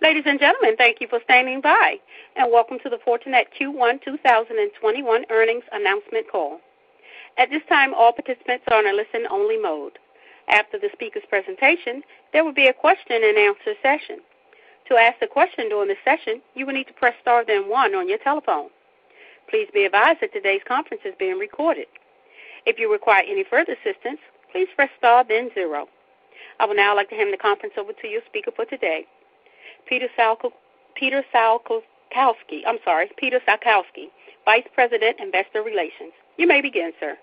Ladies and gentlemen, thank you for standing by, and welcome to the Fortinet Q1 2021 earnings announcement call. I would now like to hand the conference over to your speaker for today, Peter Salkowski, Vice President, Investor Relations. You may begin, sir.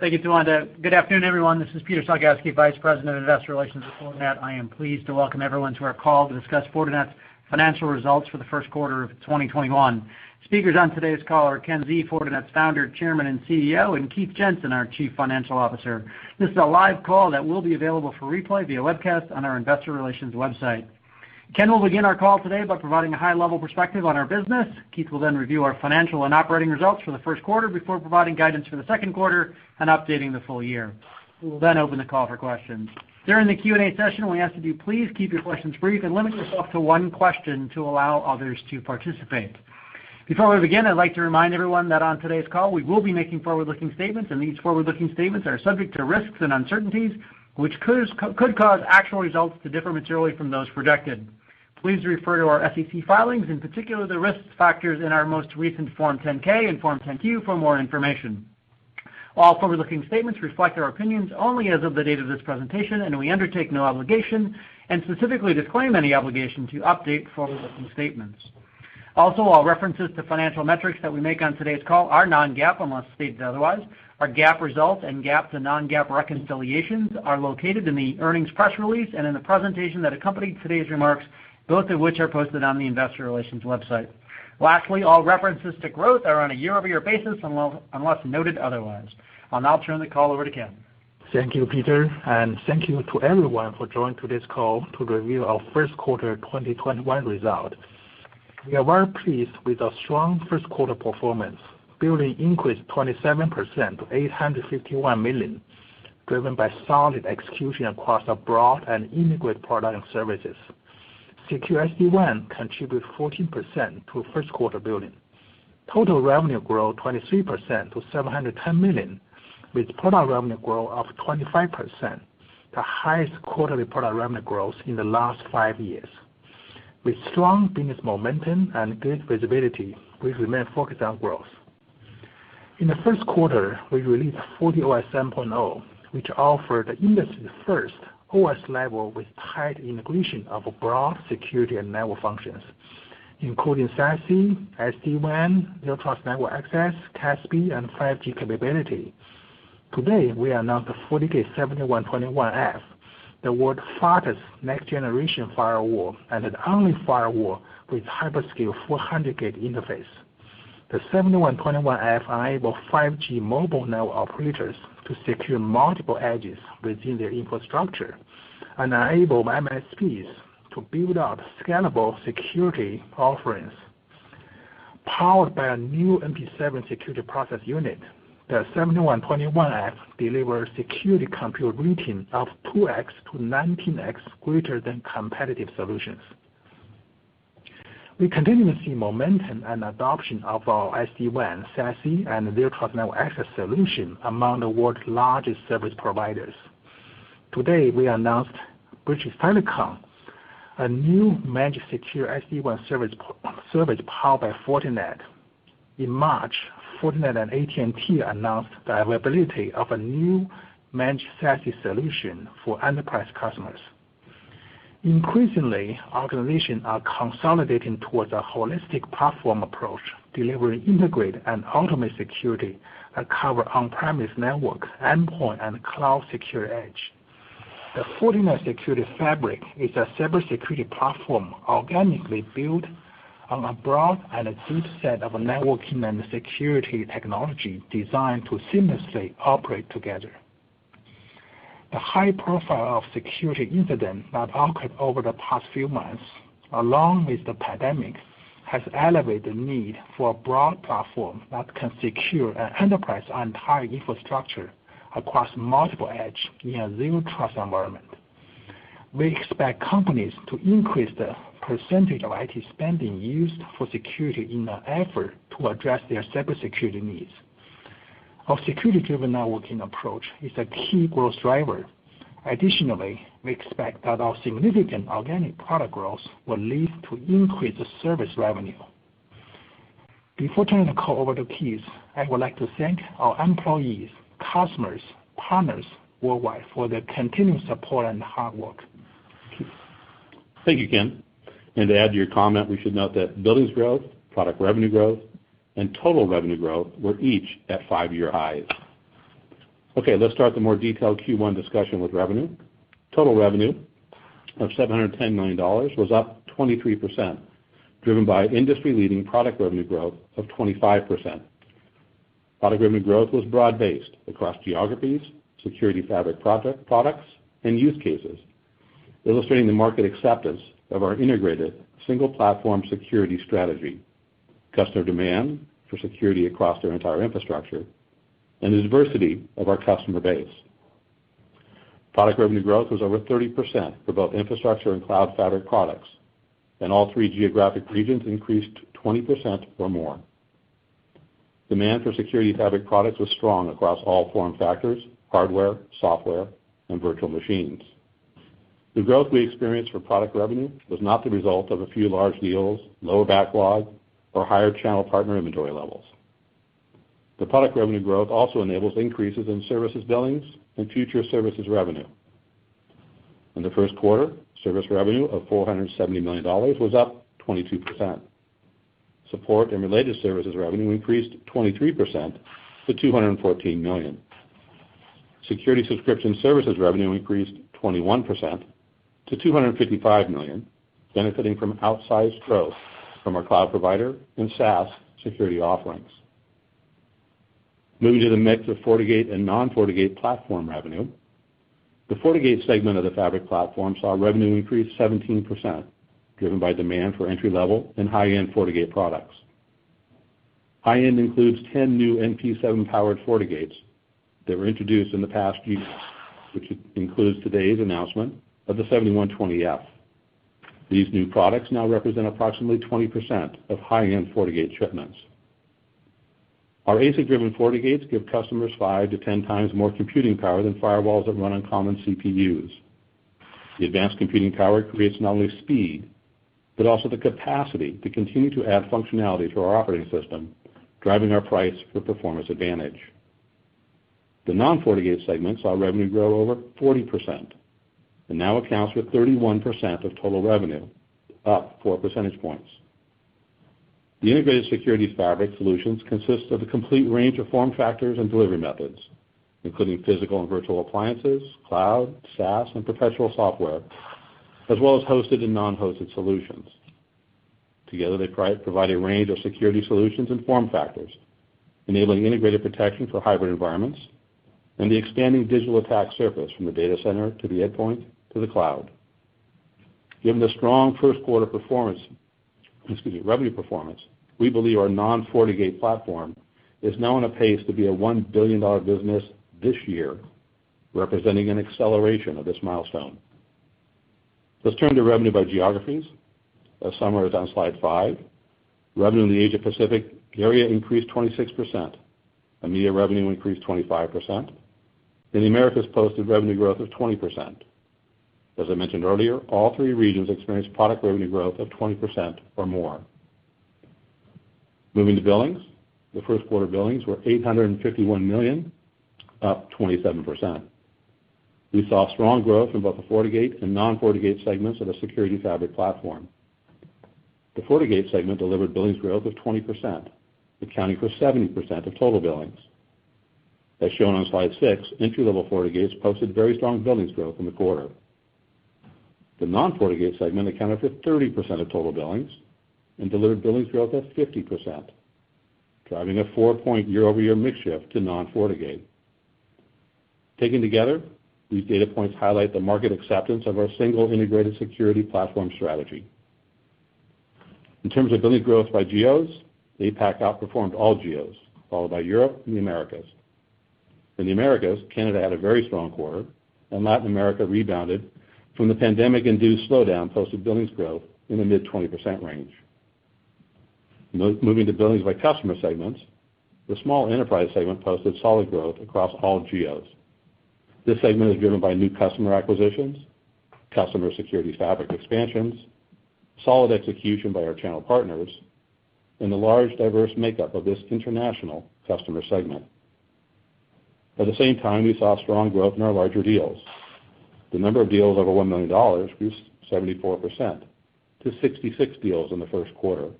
Thank you, Tawanda. Good afternoon, everyone. This is Peter Salkowski, Vice President of Investor Relations at Fortinet. I am pleased to welcome everyone to our call to discuss Fortinet's financial results for the first quarter of 2021. Speakers on today's call are Ken Xie, Fortinet's Founder, Chairman, and CEO, and Keith Jensen, our Chief Financial Officer. This is a live call that will be available for replay via webcast on our investor relations website. Ken will begin our call today by providing a high-level perspective on our business. Keith will review our financial and operating results for the first quarter before providing guidance for the second quarter and updating the full year. We will open the call for questions. During the Q&A session, we ask that you please keep your questions brief and limit yourself to one question to allow others to participate. Before we begin, I'd like to remind everyone that on today's call, we will be making forward-looking statements, and these forward-looking statements are subject to risks and uncertainties, which could cause actual results to differ materially from those projected. Please refer to our SEC filings, in particular, the risk factors in our most recent Form 10-K and Form 10-Q for more information. All forward-looking statements reflect our opinions only as of the date of this presentation, and we undertake no obligation and specifically disclaim any obligation to update forward-looking statements. All references to financial metrics that we make on today's call are non-GAAP unless stated otherwise. Our GAAP results and GAAP to non-GAAP reconciliations are located in the earnings press release and in the presentation that accompanied today's remarks, both of which are posted on the investor relations website. Lastly, all references to growth are on a year-over-year basis unless noted otherwise. I'll now turn the call over to Ken. Thank you, Peter, and thank you to everyone for joining today's call to review our first quarter 2021 results. We are well pleased with our strong first quarter performance. Billing increased 27%, to $851 million, driven by solid execution across our broad and integrated products and services. Secure SD-WAN contributed 14% to first quarter billing. Total revenue grew 23% to $710 million, with product revenue growth of 25%, the highest quarterly product revenue growth in the last five years. With strong business momentum and good visibility, we remain focused on growth. In the first quarter, we released FortiOS 7.0, which offered the industry's first OS level with tight integration of broad security and network functions, including SASE, SD-WAN, Zero Trust Network Access, CASB, and 5G capability. Today, we announced the FortiGate 7121F, the world's fastest next-generation firewall and the only firewall with hyperscale 400G interface. The 7121F enables 5G mobile network operators to secure multiple edges within their infrastructure and enable MSPs to build out scalable security offerings. Powered by a new NP7 security process unit, the 7121F delivers security compute routines of 2x-19x greater than competitive solutions. We continue to see momentum and adoption of our SD-WAN, SASE, and Zero Trust Network Access solution among the world's largest service providers. Today, we announced British Telecom, a new managed secure SD-WAN service powered by Fortinet. In March, Fortinet and AT&T announced the availability of a new managed SASE solution for enterprise customers. Increasingly, organizations are consolidating towards a holistic platform approach, delivering integrated and ultimate security that cover on-premise network, endpoint, and cloud secure edge. The Fortinet Security Fabric is a cybersecurity platform organically built on a broad and deep set of networking and security technology designed to seamlessly operate together. The high profile of security incidents that occurred over the past few months, along with the pandemic, has elevated the need for a broad platform that can secure an enterprise entire infrastructure across multiple edge in a zero trust environment. We expect companies to increase the percentage of IT spending used for security in an effort to address their cybersecurity needs. Our security-driven networking approach is a key growth driver. Additionally, we expect that our significant organic product growth will lead to increased service revenue. Before turning the call over to Keith, I would like to thank our employees, customers, partners worldwide for their continued support and hard work. Keith? Thank you, Ken. To add to your comment, we should note that billings growth, product revenue growth, and total revenue growth were each at five-year highs. Let's start the more detailed Q1 discussion with revenue. Total revenue of $710 million was up 23%, driven by industry-leading product revenue growth of 25%. Product revenue growth was broad-based across geographies, Security Fabric products, and use cases, illustrating the market acceptance of our integrated single platform security strategy. Customer demand for security across their entire infrastructure and the diversity of our customer base. Product revenue growth was over 30% for both infrastructure and cloud fabric products, and all three geographic regions increased 20% or more. Demand for Security Fabric products was strong across all form factors, hardware, software, and virtual machines. The growth we experienced for product revenue was not the result of a few large deals, lower backlog, or higher channel partner inventory levels. The product revenue growth also enables increases in services billings and future services revenue. In the first quarter, service revenue of $470 million was up 22%. Support and related services revenue increased 23% to $214 million. Security subscription services revenue increased 21% to $255 million, benefiting from outsized growth from our cloud provider and SaaS security offerings. Moving to the mix of FortiGate and non-FortiGate platform revenue. The FortiGate segment of the fabric platform saw revenue increase 17%, driven by demand for entry-level and high-end FortiGate products. High-end includes 10 new NP7-powered FortiGates that were introduced in the past, which includes today's announcement of the 7121F. These new products now represent approximately 20% of high-end FortiGate shipments. Our ASIC-driven FortiGates give customers 5x to 10x more computing power than firewalls that run on common CPUs. The advanced computing power creates not only speed, but also the capacity to continue to add functionality to our operating system, driving our price for performance advantage. The non-FortiGate segment saw revenue grow over 40% and now accounts for 31% of total revenue, up four percentage points. The integrated Security Fabric solutions consist of a complete range of form factors and delivery methods, including physical and virtual appliances, cloud, SaaS, and perpetual software, as well as hosted and non-hosted solutions. Together, they provide a range of security solutions and form factors, enabling integrated protection for hybrid environments and the expanding digital attack surface from the data center to the endpoint to the cloud. Given the strong first quarter revenue performance, we believe our non-FortiGate platform is now on a pace to be a $1 billion business this year, representing an acceleration of this milestone. Let's turn to revenue by geographies. A summary is on slide five. Revenue in the Asia-Pacific area increased 26%. EMEA revenue increased 25%. The Americas posted revenue growth of 20%. As I mentioned earlier, all three regions experienced product revenue growth of 20% or more. Moving to billings. The first quarter billings were $851 million, up 27%. We saw strong growth in both the FortiGate and non-FortiGate segments of the Security Fabric platform. The FortiGate segment delivered billings growth of 20%, accounting for 70% of total billings. As shown on slide six, entry-level FortiGates posted very strong billings growth in the quarter. The non-FortiGate segment accounted for 30% of total billings and delivered billings growth of 50%, driving a four-point year-over-year mix shift to non-FortiGate. Taken together, these data points highlight the market acceptance of our single integrated security platform strategy. In terms of billing growth by geos, the APAC outperformed all geos, followed by Europe and the Americas. In the Americas, Canada had a very strong quarter, and Latin America rebounded from the pandemic-induced slowdown, posted billings growth in the mid-20% range. Moving to billings by customer segments, the small enterprise segment posted solid growth across all geos. This segment is driven by new customer acquisitions, customer Security Fabric expansions, solid execution by our channel partners, and the large, diverse makeup of this international customer segment. At the same time, we saw strong growth in our larger deals. The number of deals over $1 million grew 74% to 66 deals in the first quarter.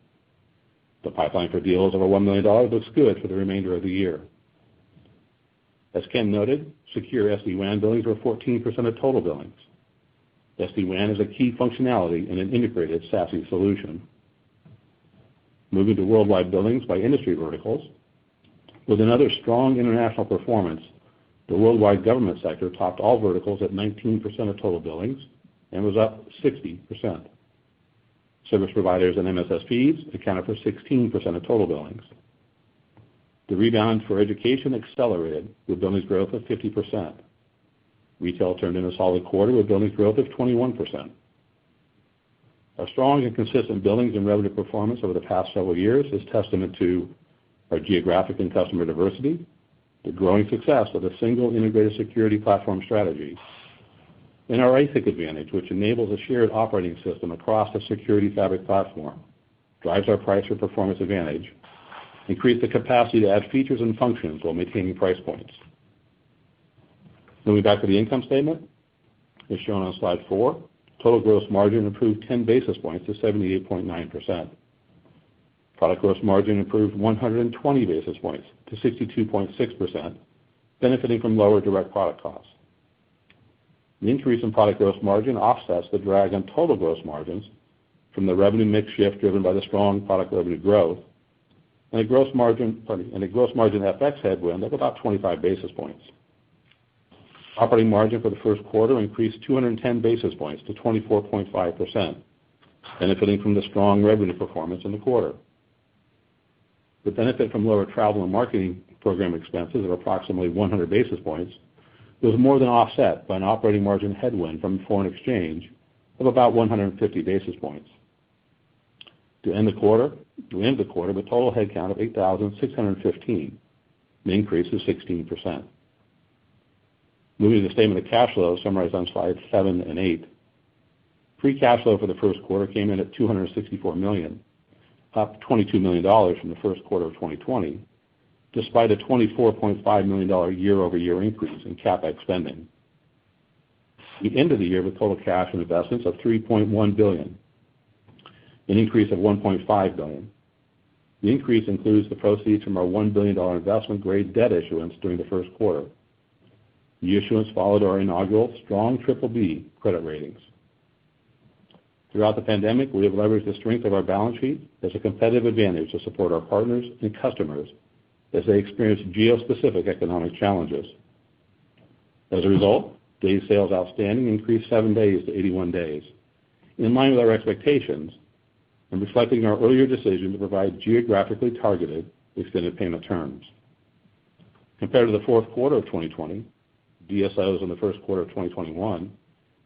The pipeline for deals over $1 million looks good for the remainder of the year. As Ken noted, secure SD-WAN billings were 14% of total billings. SD-WAN is a key functionality in an integrated SASE solution. Moving to worldwide billings by industry verticals. With another strong international performance, the worldwide government sector topped all verticals at 19% of total billings and was up 60%. Service providers and MSSPs accounted for 16% of total billings. The rebound for education accelerated with billings growth of 50%. Retail turned in a solid quarter with billings growth of 21%. Our strong and consistent billings and revenue performance over the past several years is testament to our geographic and customer diversity, the growing success of the single integrated security platform strategy, and our ASIC advantage, which enables a shared operating system across the Security Fabric platform, drives our price or performance advantage, increase the capacity to add features and functions while maintaining price points. Moving back to the income statement. As shown on slide four, total gross margin improved 10 basis points to 78.9%. Product gross margin improved 120 basis points to 62.6%, benefiting from lower direct product costs. The increase in product gross margin offsets the drag on total gross margins from the revenue mix shift driven by the strong product revenue growth and a gross margin FX headwind of about 25 basis points. Operating margin for the first quarter increased 210 basis points to 24.5%, benefiting from the strong revenue performance in the quarter. The benefit from lower travel and marketing program expenses of approximately 100 basis points was more than offset by an operating margin headwind from foreign exchange of about 150 basis points. To end the quarter with total headcount of 8,615, an increase of 16%. Moving to the statement of cash flow summarized on slide seven and eight. Free cash flow for the first quarter came in at $264 million, up $22 million from the first quarter of 2020, despite a $24.5 million year-over-year increase in CapEx spending. We end of the year with total cash and investments of $3.1 billion, an increase of $1.5 billion. The increase includes the proceeds from our $1 billion investment-grade debt issuance during the first quarter. The issuance followed our inaugural strong BBB credit ratings. Throughout the pandemic, we have leveraged the strength of our balance sheet as a competitive advantage to support our partners and customers as they experience geo-specific economic challenges. As a result, Days Sales Outstanding increased seven days to 81 days, in line with our expectations and reflecting our earlier decision to provide geographically targeted extended payment terms. Compared to the fourth quarter of 2020, DSOs in the first quarter of 2021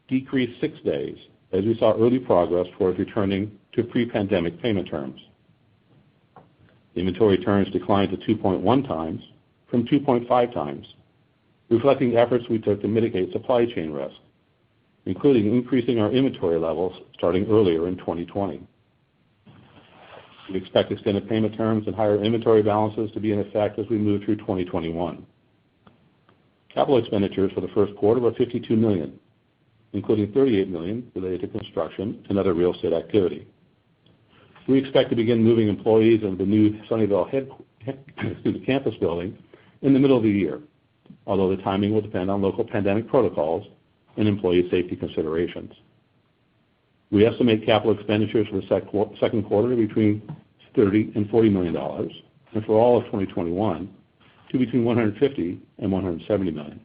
decreased six days, as we saw early progress towards returning to pre-pandemic payment terms. Inventory turns declined to 2.1x from 2.5x, reflecting the efforts we took to mitigate supply chain risk, including increasing our inventory levels starting earlier in 2020. We expect extended payment terms and higher inventory balances to be in effect as we move through 2021. Capital expenditures for the first quarter were $52 million, including $38 million related to construction and other real estate activity. We expect to begin moving employees into the new Sunnyvale campus building in the middle of the year, although the timing will depend on local pandemic protocols and employee safety considerations. We estimate capital expenditures for the second quarter to be between $30 million and $40 million, and for all of 2021 to between $150 million and $170 million.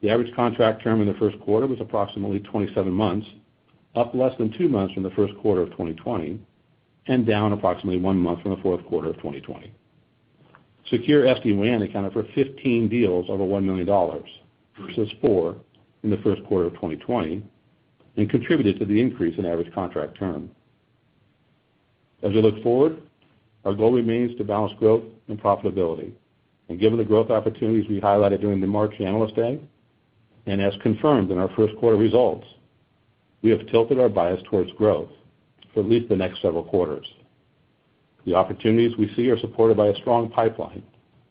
The average contract term in the first quarter was approximately 27 months, up less than two months from the first quarter of 2020 and down approximately one month from the fourth quarter of 2020. Secure SD-WAN accounted for 15 deals over $1 million versus four in the first quarter of 2020 and contributed to the increase in average contract term. As we look forward, our goal remains to balance growth and profitability, and given the growth opportunities we highlighted during the March Analyst Day, and as confirmed in our first quarter results, we have tilted our bias towards growth for at least the next several quarters. The opportunities we see are supported by a strong pipeline,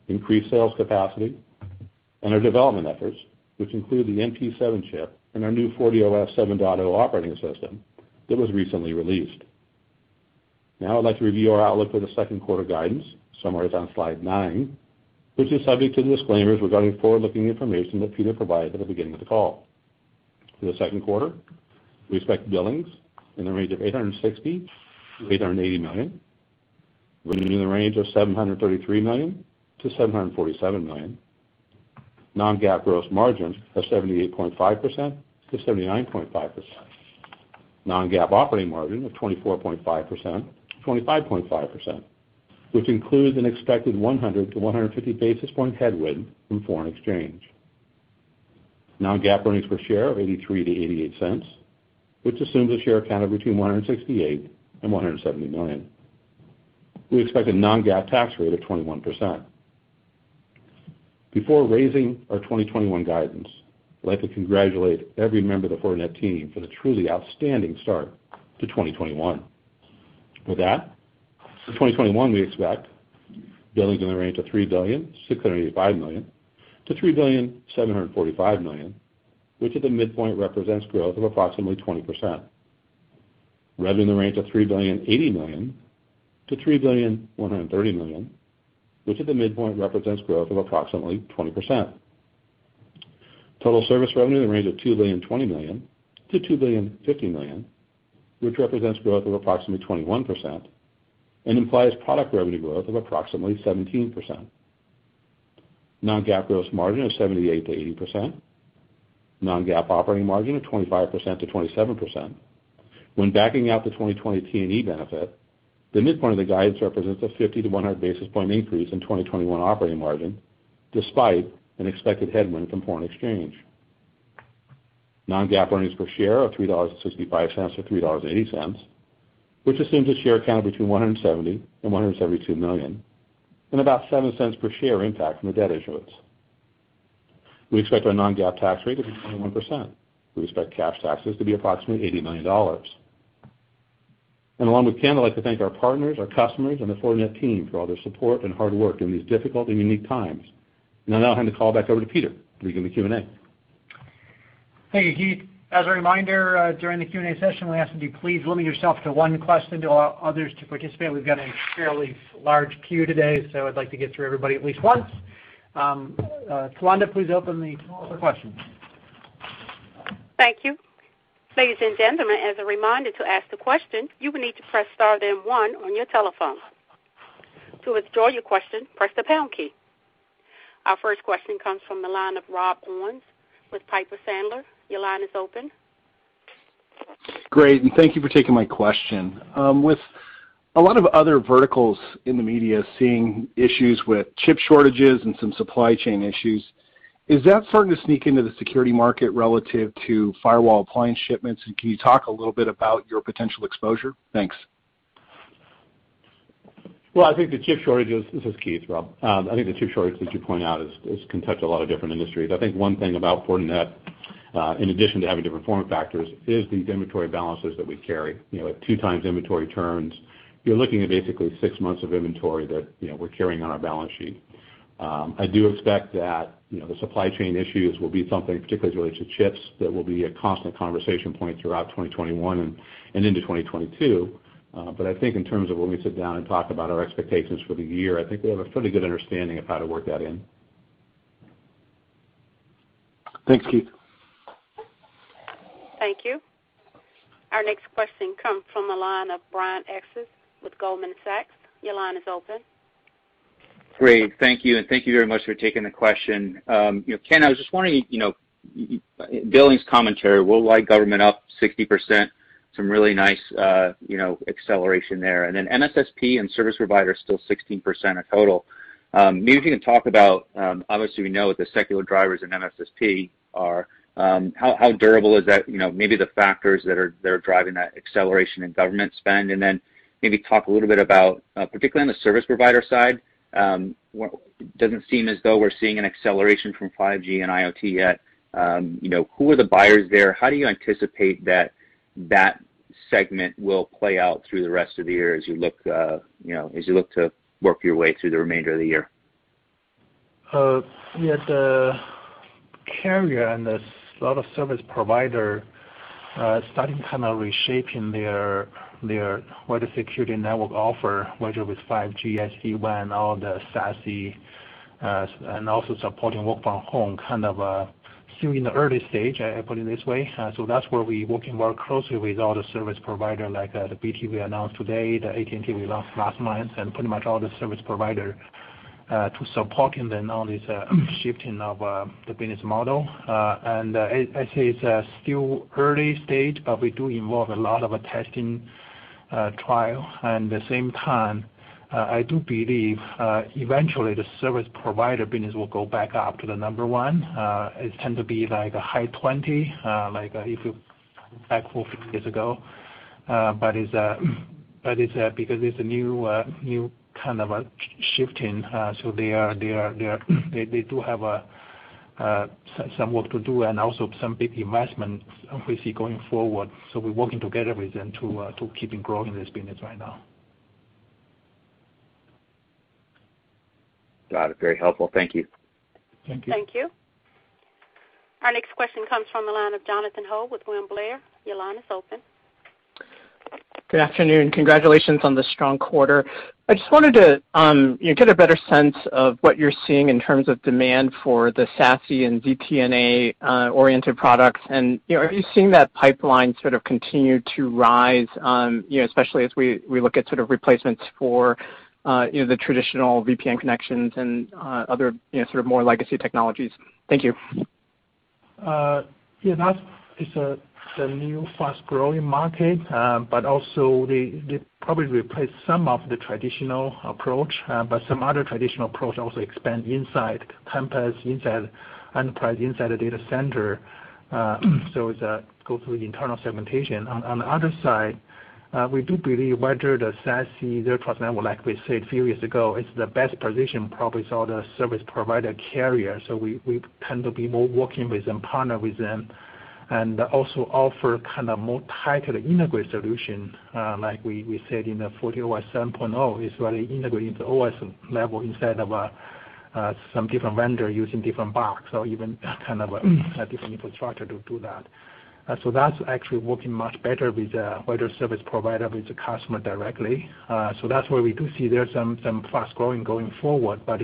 increased sales capacity, and our development efforts, which include the NP7 chip and our new FortiOS 7.0 operating system that was recently released. Now I'd like to review our outlook for the second quarter guidance, summarized on slide nine, which is subject to the disclaimers regarding forward-looking information that Peter provided at the beginning of the call. For the second quarter, we expect billings in the range of $860 million-$880 million. Revenue in the range of $733 million-$747 million. Non-GAAP gross margins of 78.5%-79.5%. Non-GAAP operating margin of 24.5%-25.5%, which includes an expected 100-150 basis point headwind from foreign exchange. Non-GAAP earnings per share of $0.83-$0.88, which assumes a share count of between 168 and 170 million. We expect a non-GAAP tax rate of 21%. Before raising our 2021 guidance, I'd like to congratulate every member of the Fortinet team for the truly outstanding start to 2021. With that, for 2021, we expect billings in the range of $3.685 billion-$3.745 billion, which at the midpoint represents growth of approximately 20%. Revenue in the range of $3.080 billion-$3.130 billion, which at the midpoint represents growth of approximately 20%. Total service revenue in the range of $2.020 billion-$2.050 billion, which represents growth of approximately 21% and implies product revenue growth of approximately 17%. Non-GAAP gross margin of 78%-80%. Non-GAAP operating margin of 25%-27%. When backing out the 2020 T&E benefit, the midpoint of the guidance represents a 50-100 basis point increase in 2021 operating margin, despite an expected headwind from foreign exchange. Non-GAAP earnings per share of $3.65 or $3.80, which assumes a share count of between 170 and 172 million and about $0.07 per share impact from the debt issuance. We expect our non-GAAP tax rate to be 21%. We expect cash taxes to be approximately $80 million. Along with Ken, I'd like to thank our partners, our customers, and the Fortinet team for all their support and hard work during these difficult and unique times. I now hand the call back over to Peter to begin the Q&A. Thank you, Keith. As a reminder, during the Q&A session, we ask that you please limit yourself to one question to allow others to participate. We've got a fairly large queue today, so I'd like to get through everybody at least once. Tawanda, please open the call for questions. Thank you. Ladies and gentlemen, as as reminder, to ask a question you will need to press star the one on the telephone. To withdraw you question, press the pound key, Our first question comes from the line of Rob Owens with Piper Sandler. Your line is open. Great, thank you for taking my question. With a lot of other verticals in the media seeing issues with chip shortages and some supply chain issues, is that starting to sneak into the security market relative to firewall appliance shipments? Can you talk a little bit about your potential exposure? Thanks. Well, I think the chip shortages, this is Keith, Rob, I think the chip shortage that you point out can touch a lot of different industries. I think one thing about Fortinet, in addition to having different form factors, is these inventory balances that we carry. At two times inventory turns, you're looking at basically six months of inventory that we're carrying on our balance sheet. I do expect that the supply chain issues will be something, particularly as it relates to chips, that will be a constant conversation point throughout 2021 and into 2022. I think in terms of when we sit down and talk about our expectations for the year, I think we have a pretty good understanding of how to work that in. Thanks, Keith. Thank you. Our next question comes from the line of Brian Essex with Goldman Sachs. Your line is open. Great. Thank you. Thank you very much for taking the question. Ken, I was just wondering, Billings commentary, worldwide government up 60%, some really nice acceleration there. MSSP and service providers still 16% of total. Maybe if you can talk about, obviously, we know what the secular drivers in MSSP are. How durable is that, maybe the factors that are driving that acceleration in government spend? Maybe talk a little bit about, particularly on the service provider side, it doesn't seem as though we're seeing an acceleration from 5G and IoT yet. Who are the buyers there? How do you anticipate that segment will play out through the rest of the year as you look to work your way through the remainder of the year? Yeah, the carrier and this lot of service provider starting reshaping their wider security network offer, whether it's 5G, SD-WAN, all the SASE, and also supporting work from home, kind of still in the early stage, I put it this way. That's where we working more closely with all the service provider, like the BT we announced today, the AT&T we announced last month, and pretty much all the service provider, to support in all this shifting of the business model. I say it's still early stage, but we do involve a lot of a testing trial. The same time, I do believe eventually the service provider business will go back up to the number one. It's tend to be like a high 20, like if you back four, five years ago. It's because it's a new kind of a shifting. They do have some work to do and also some big investments we see going forward. We're working together with them to keeping growing this business right now. Got it. Very helpful. Thank you. Thank you. Thank you. Our next question comes from the line of Jonathan Ho with William Blair. Your line is open. Good afternoon. Congratulations on the strong quarter. I just wanted to get a better sense of what you're seeing in terms of demand for the SASE and ZTNA-oriented products. Are you seeing that pipeline sort of continue to rise, especially as we look at sort of replacements for the traditional VPN connections and other sort of more legacy technologies? Thank you. Yeah, that is a new fast-growing market. Also they probably replace some of the traditional approach, but some other traditional approach also expand inside campus, inside enterprise, inside the data center. It go through the internal segmentation. On the other side, we do believe whether the SASE, Zero Trust Network Access, we said few years ago, it's the best position probably for the service provider carrier. We tend to be more working with them, partner with them, and also offer kind of more tighter integrated solution. Like we said in the FortiOS 7.0, it's very integrated into OS level instead of some different vendor using different box or even kind of a different infrastructure to do that. That's actually working much better with the wider service provider, with the customer directly. That's where we do see there's some fast-growing going forward, but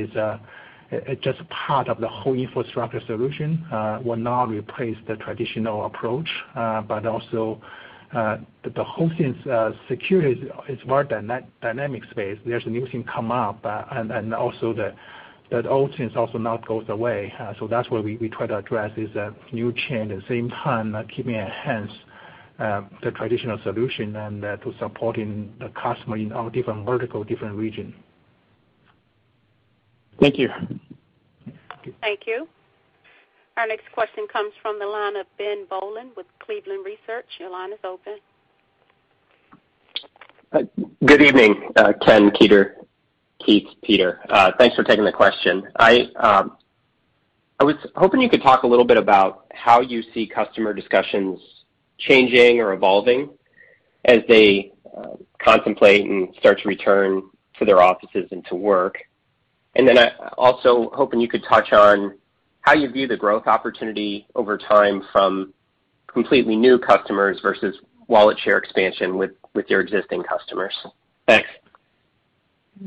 it's just part of the whole infrastructure solution will now replace the traditional approach. Also the whole thing's security is more dynamic space. There's a new thing come up, and also that old things also not goes away. That's where we try to address is the new trend, at the same time, keeping enhance the traditional solution and to supporting the customer in all different vertical, different region. Thank you. Thank you. Our next question comes from the line of Ben Bollin with Cleveland Research. Your line is open. Good evening Ken, Peter, Keith, Peter. Thanks for taking the question. I was hoping you could talk a little bit about how you see customer discussions changing or evolving as they contemplate and start to return to their offices and to work. Then I also hoping you could touch on how you view the growth opportunity over time from completely new customers versus wallet share expansion with your existing customers. Thanks.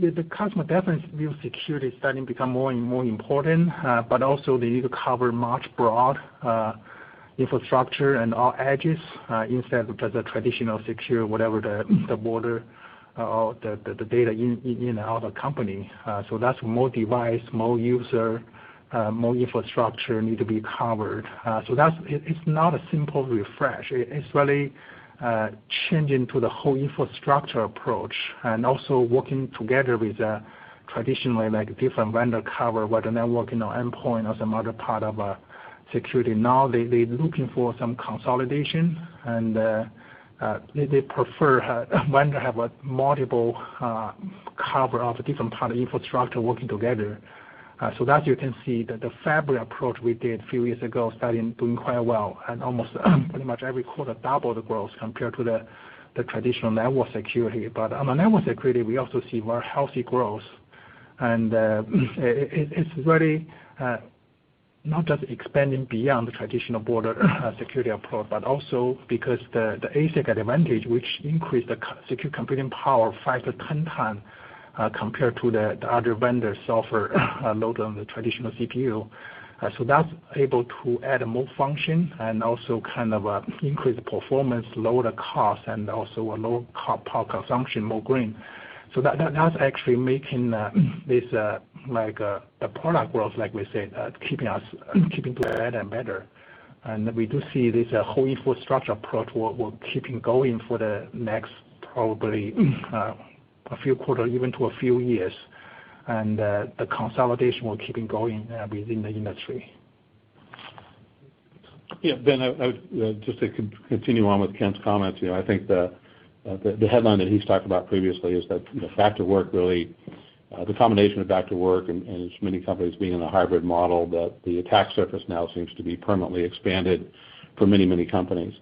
The customer definitely view security is starting to become more and more important. Also they need to cover much broad infrastructure and all edges, instead of just the traditional security, whatever the border or the data in and out of company. That's more device, more user, more infrastructure need to be covered. It's not a simple refresh. It's really changing to the whole infrastructure approach and also working together with traditionally different vendor cover, whether networking or endpoint or some other part of security. Now they looking for some consolidation, and they prefer vendor have a multiple cover of different part of infrastructure working together. That you can see that the fabric approach we did a few years ago starting doing quite well and almost pretty much every quarter double the growth compared to the traditional network security. On the network security, we also see very healthy growth. It's really not just expanding beyond the traditional border security approach, but also because the ASIC advantage, which increased the secure computing power five to 10 times compared to the other vendor software load on the traditional CPU. That's able to add more function and also kind of increase performance, lower the cost, and also a lower power consumption, more green. That's actually making the product growth, like we said, keeping to better and better. We do see this whole infrastructure approach will keeping going for the next probably a few quarter, even to a few years, and the consolidation will keeping going within the industry. Ben, just to continue on with Ken's comments, I think the headline that he's talked about previously is that the combination of back to work and many companies being in a hybrid model, that the attack surface now seems to be permanently expanded for many, many companies.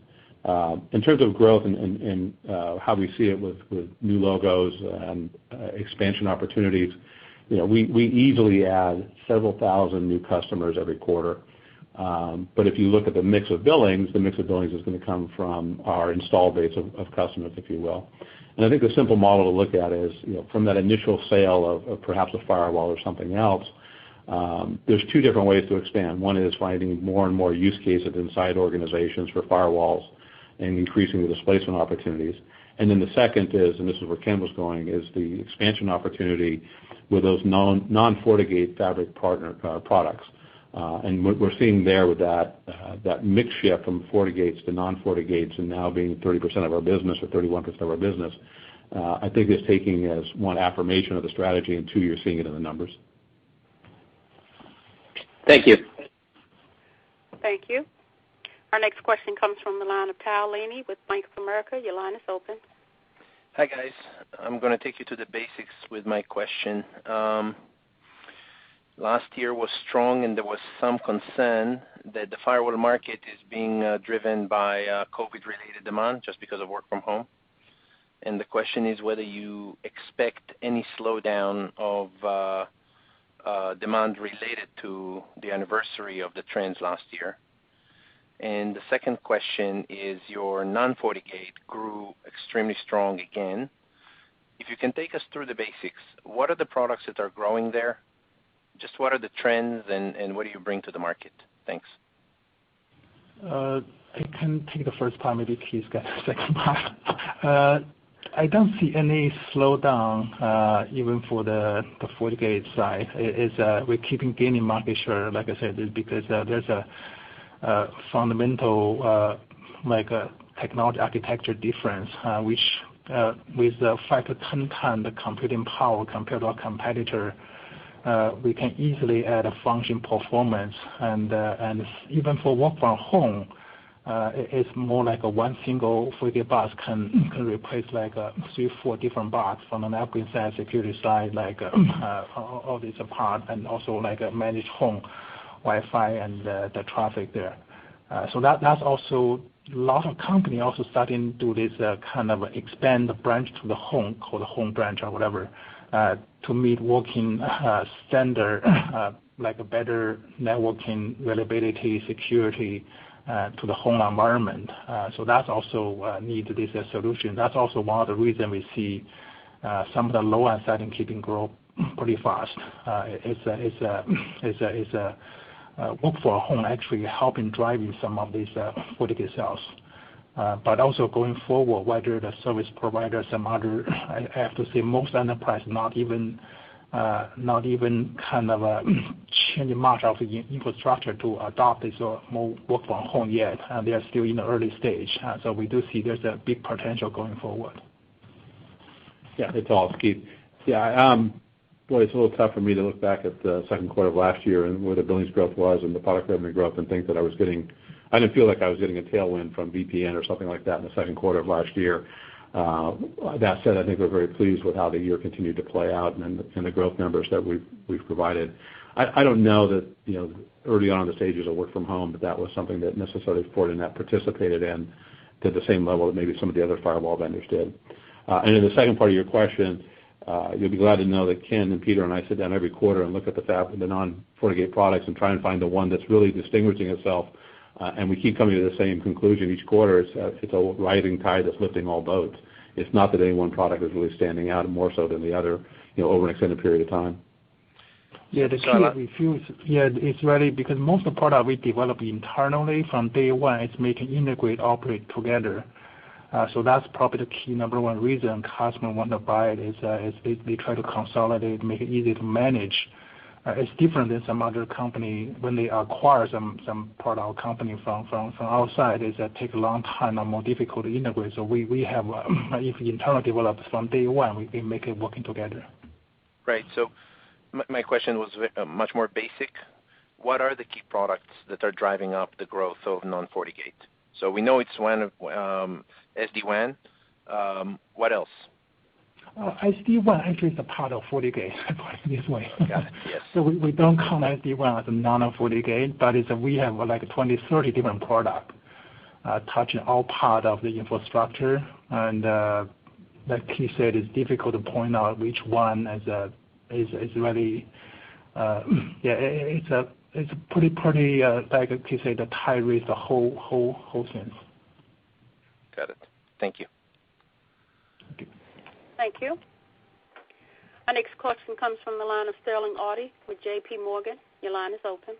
In terms of growth and how we see it with new logos and expansion opportunities, we easily add several thousand new customers every quarter. If you look at the mix of billings, the mix of billings is going to come from our install base of customers, if you will. I think the simple model to look at is, from that initial sale of perhaps a firewall or something else, there's two different ways to expand. One is finding more and more use cases inside organizations for firewalls and increasing the displacement opportunities. The second is, and this is where Ken was going, is the expansion opportunity with those non-FortiGate fabric partner products. What we're seeing there with that mix shift from FortiGates to non-FortiGates and now being 30% of our business or 31% of our business, I think is taking as one affirmation of the strategy and two, you're seeing it in the numbers. Thank you. Thank you. Our next question comes from the line of Tal Liani with Bank of America. Your line is open. Hi, guys. I'm going to take you to the basics with my question. Last year was strong and there was some concern that the firewall market is being driven by COVID-related demand just because of work from home. The question is whether you expect any slowdown of demand related to the anniversary of the trends last year. The second question is, your non-FortiGate grew extremely strong again. If you can take us through the basics, what are the products that are growing there? Just what are the trends and what do you bring to the market? Thanks. I can take the first part, maybe Keith gets the second part. I don't see any slowdown even for the FortiGate side. We're keeping gaining market share, like I said, because there's a fundamental technology architecture difference, with the five to 10 times the computing power compared to our competitor, we can easily add a function performance. Even for work from home, it's more like a one single FortiGate box can replace three, four different box from an endpoint security side, all these apart and also manage home Wi-Fi and the traffic there. That's also a lot of company also starting to do this kind of expand the branch to the home, called a home branch or whatever, to meet working standard, like a better networking reliability, security to the home environment. That's also need this solution. That's also one of the reason we see some of the lower side keeping growth pretty fast. It's work from home actually helping driving some of these FortiGate sales. Also going forward, whether the service providers and other, I have to say most enterprise not even changing much of the infrastructure to adopt this work from home yet. They are still in the early stage. We do see there's a big potential going forward. Yeah, Tal. It's Keith. Yeah. Boy, it's a little tough for me to look back at the second quarter of last year and where the billings growth was and the product revenue growth and think that I didn't feel like I was getting a tailwind from VPN or something like that in the second quarter of last year. That said, I think we're very pleased with how the year continued to play out and the growth numbers that we've provided. I don't know that early on in the stages of work from home, that that was something that necessarily Fortinet participated in to the same level that maybe some of the other firewall vendors did. In the second part of your question, you'll be glad to know that Ken and Peter and I sit down every quarter and look at the non-FortiGate products and try and find the one that's really distinguishing itself, and we keep coming to the same conclusion each quarter. It's a rising tide that's lifting all boats. It's not that any one product is really standing out more so than the other over an extended period of time. Yeah, the key reason. Yeah, it's really because most of the products we develop internally from day one, it's making them integrate and operate together. That's probably the key number one reason customers want to buy it, they try to consolidate, make it easy to manage. It's different than some other company when they acquire some product or company from outside, it takes a long time or more difficult to integrate. If we internally develop from day one, we make it work together. Right. My question was much more basic. What are the key products that are driving up the growth of non-FortiGate? We know it's one of SD-WAN. What else? SD-WAN actually is a part of FortiGate, put it this way. Got it. Yes. We don't count SD-WAN as a non-FortiGate, but we have 20-30 different product, touching all part of the infrastructure. like Keith said, it's difficult to point out which one is really Yeah, it's pretty, like you say, the high rate, the whole sense. Got it. Thank you. Okay. Thank you. Our next question comes from the line of Sterling Auty with JPMorgan. Your line is open.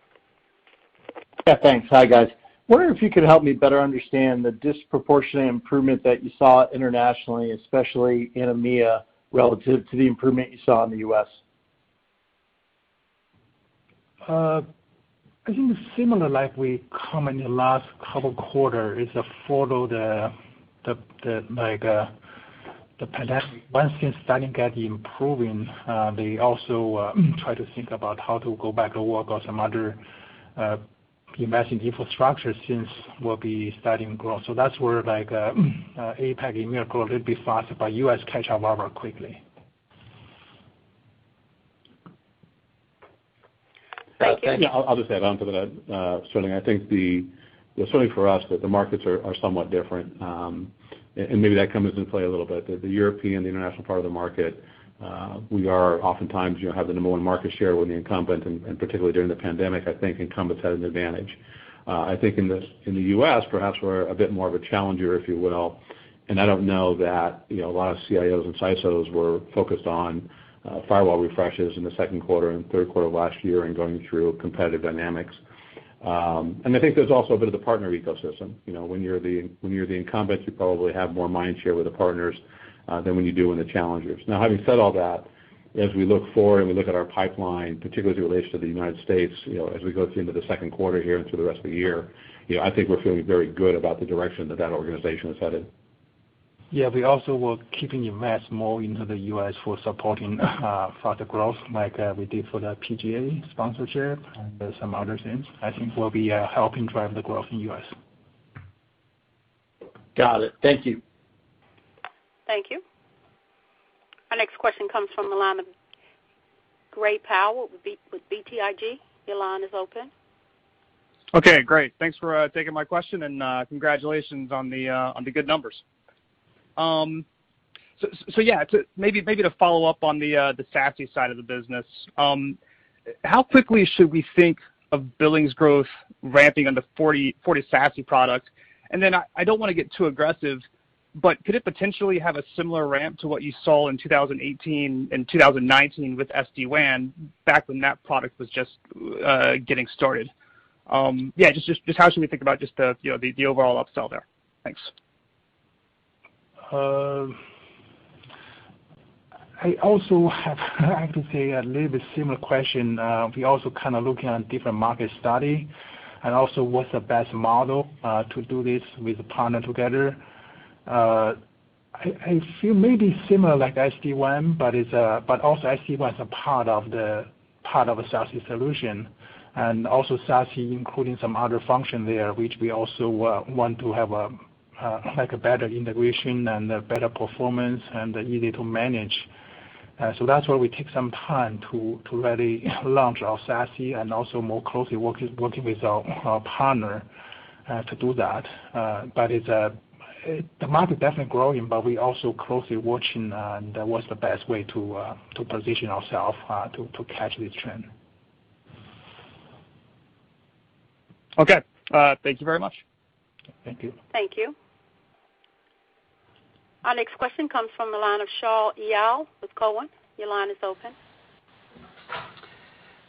Yeah, thanks. Hi, guys. Wondering if you could help me better understand the disproportionate improvement that you saw internationally, especially in EMEA, relative to the improvement you saw in the U.S. I think similar, like we comment the last couple quarter, is follow the pandemic. Once things starting at improving, they also try to think about how to go back to work or some other investing infrastructure since we'll be starting growth. That's where APAC, EMEA growth will be faster, but U.S. catch up very quickly. Thank you. Yeah, I'll just add onto that, Sterling. I think certainly for us, that the markets are somewhat different, and maybe that comes into play a little bit. The European, the international part of the market, we are oftentimes have the number one market share. We're the incumbent, and particularly during the pandemic, I think incumbents had an advantage. I think in the U.S., perhaps we're a bit more of a challenger, if you will, and I don't know that a lot of CIOs and CISOs were focused on firewall refreshes in the second quarter and third quarter of last year and going through competitive dynamics. I think there's also a bit of the partner ecosystem. When you're the incumbent, you probably have more mind share with the partners, than when you do when the challengers. Having said all that, as we look forward and we look at our pipeline, particularly as it relates to the U.S., as we go through into the second quarter here and through the rest of the year, I think we're feeling very good about the direction that that organization is headed. Yeah, we also were keeping invest more into the U.S. for supporting further growth, like we did for the PGA sponsorship and some other things. I think we'll be helping drive the growth in U.S. Got it. Thank you. Thank you. Our next question comes from the line of Gray Powell with BTIG. Your line is open. Okay, great. Thanks for taking my question, and congratulations on the good numbers. Yeah, maybe to follow up on the SASE side of the business, how quickly should we think of billings growth ramping on the FortiSASE product? Then I don't want to get too aggressive, but could it potentially have a similar ramp to what you saw in 2018 and 2019 with SD-WAN, back when that product was just getting started? Yeah, just how should we think about just the overall upsell there? Thanks. I also have I have to say a little bit similar question. We're also kind of looking at different market study, and also what's the best model to do this with partner together. I feel maybe similar like SD-WAN, but also SD-WAN is a part of a SASE solution. SASE including some other function there, which we also want to have a better integration and a better performance and easy to manage. That's why we take some time to really launch our SASE and also more closely working with our partner to do that. The market definitely growing, but we also closely watching what's the best way to position ourselves to catch this trend. Okay. Thank you very much. Thank you. Thank you. Our next question comes from the line of Shaul Eyal with Cowen. Your line is open.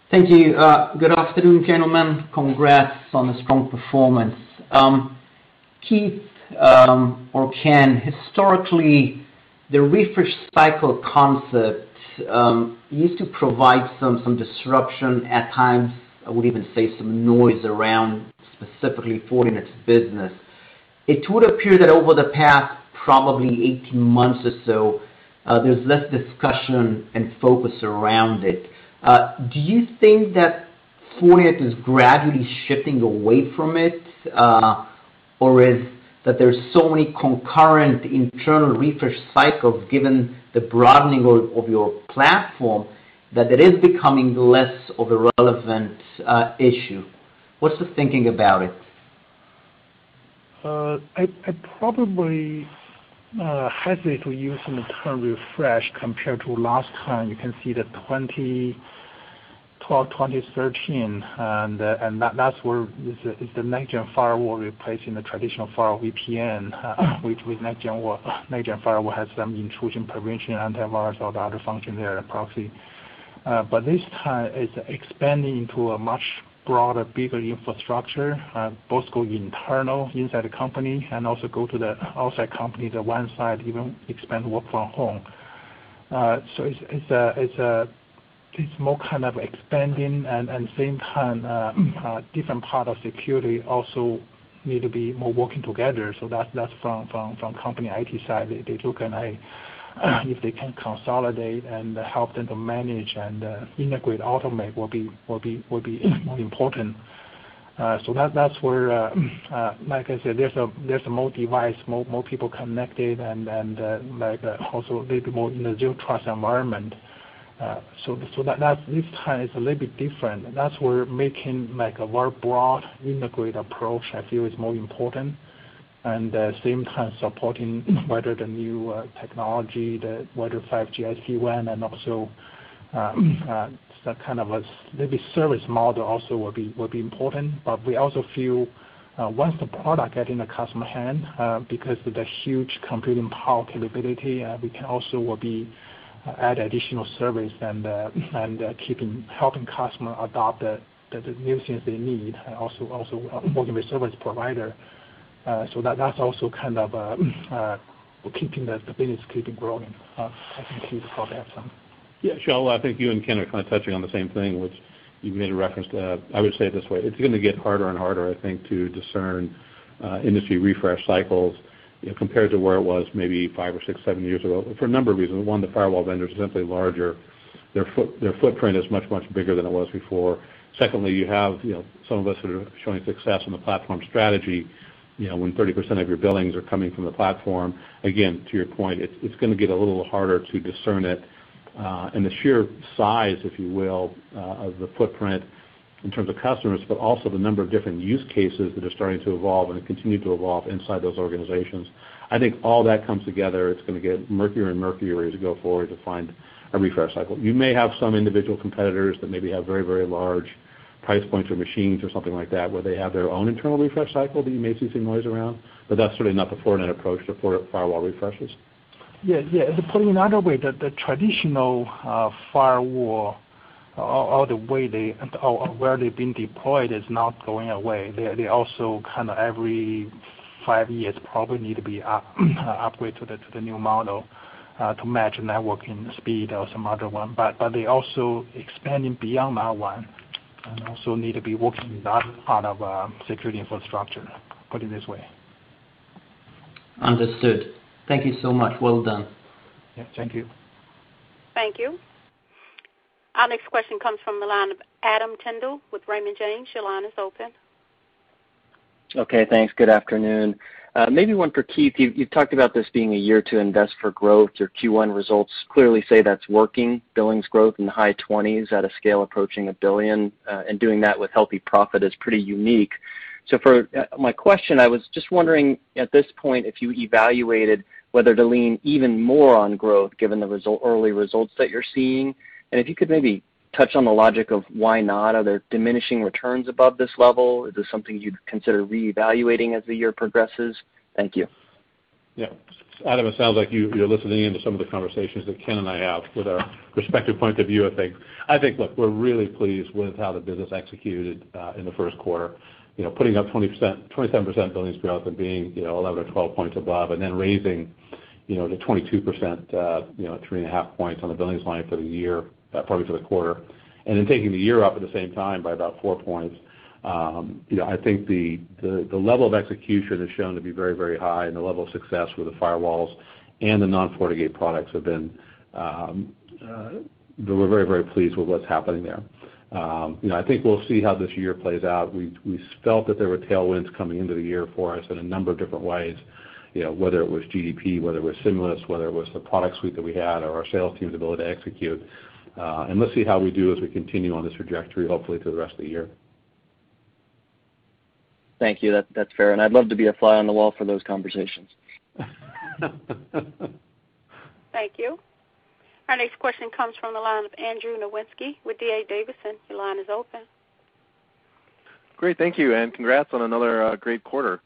Thank you. Good afternoon, gentlemen. Congrats on the strong performance. Keith or Ken, historically, the refresh cycle concept used to provide some disruption at times, I would even say some noise around specifically Fortinet's business. It would appear that over the past, probably 18 months or so, there's less discussion and focus around it. Do you think that Fortinet is gradually shifting away from it? Or is that there's so many concurrent internal refresh cycles given the broadening of your platform, that it is becoming less of a relevant issue? What's the thinking about it? I'd probably hesitate to using the term refresh compared to last time. You can see the 2012, 2013, and that's where it's the next-gen firewall replacing the traditional firewall VPN, which with next-gen firewall has some intrusion prevention, antivirus, all the other function there, and proxy. This time, it's expanding into a much broader, bigger infrastructure, both go internal inside the company and also go to the outside company, the one side even expand work from home. It's more expanding, and same time, different part of security also need to be more working together. That's from company IT side. They look, and see if they can consolidate and help them to manage and integrate, automate will be more important. That's where, like I said, there's a multi-device, more people connected, and also a little bit more in the Zero Trust environment. this time it's a little bit different. That's where making a very broad integrate approach, I feel is more important. same time supporting whether the new technology, whether 5G, SD-WAN, and also, some kind of a little bit service model also will be important. we also feel once the product get in the customer hand, because of the huge computing power capability, we can also will be add additional service and helping customer adopt the new things they need, and also working with service provider. that's also keeping the business keeping growing. I think Keith probably has some. Yeah, Shaul, I think you and Ken are kind of touching on the same thing, which you've made a reference to. I would say it this way, it's going to get harder and harder, I think, to discern industry refresh cycles compared to where it was maybe five or six, seven years ago, for a number of reasons. One, the firewall vendors are simply larger. Their footprint is much, much bigger than it was before. Secondly, you have some of us that are showing success on the platform strategy, when 30% of your billings are coming from the platform, again, to your point, it's going to get a little harder to discern it. The sheer size, if you will, of the footprint in terms of customers, but also the number of different use cases that are starting to evolve and continue to evolve inside those organizations. I think all that comes together, it's going to get murkier and murkier as we go forward to find a refresh cycle. You may have some individual competitors that maybe have very, very large price points or machines or something like that, where they have their own internal refresh cycle that you may see some noise around, but that's certainly not the Fortinet approach to firewall refreshes. Yeah. To put it another way, the traditional firewall, or where they've been deployed is not going away. They also kind of every five years probably need to be upgraded to the new model to match networking speed or some other one. They also expanding beyond that one, and also need to be working that part of security infrastructure. Put it this way. Understood. Thank you so much. Well done. Yeah, thank you. Thank you. Our next question comes from the line of Adam Tindle with Raymond James. Your line is open. Okay, thanks. Good afternoon. Maybe one for Keith. You've talked about this being a year to invest for growth. Your Q1 results clearly say that's working. Billings growth in the high 20s at a scale approaching $1 billion, and doing that with healthy profit is pretty unique. For my question, I was just wondering, at this point, if you evaluated whether to lean even more on growth given the early results that you're seeing, and if you could maybe touch on the logic of why not. Are there diminishing returns above this level? Is this something you'd consider reevaluating as the year progresses? Thank you. Yeah. Adam Tindle, it sounds like you're listening into some of the conversations that Ken and I have with our respective points of view, I think. I think, look, we're really pleased with how the business executed in the first quarter. Putting up 27% billings growth and being 11 or 12 points above, and then raising to 22%, three and a half points on the billings line for the year, probably for the quarter, and then taking the year up at the same time by about four points. I think the level of execution has shown to be very, very high and the level of success with the FortiGate firewalls and the non-FortiGate products have been We're very, very pleased with what's happening there. I think we'll see how this year plays out. We felt that there were tailwinds coming into the year for us in a number of different ways, whether it was GDP, whether it was stimulus, whether it was the product suite that we had or our sales team's ability to execute. Let's see how we do as we continue on this trajectory, hopefully through the rest of the year. Thank you. That's fair. I'd love to be a fly on the wall for those conversations. Thank you. Our next question comes from the line of Andrew Nowinski with D.A. Davidson. Your line is open. Great, thank you, and congrats on another great quarter.